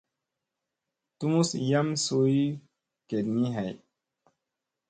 Tumus yam suy geɗgii hay.